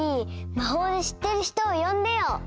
まほうでしってる人をよんでよ！